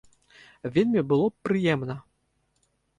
Вельмі было б прыемна.